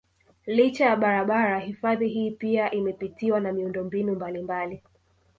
Licha ya barabara hifadhi hii pia imepitiwa na miundombinu mbalimbali